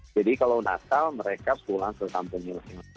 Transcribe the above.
jadi kalau natal mereka pulang ke kampungnya